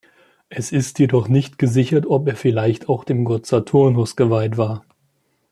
Es ist jedoch nicht gesichert, ob er vielleicht auch dem Gott Saturnus geweiht war.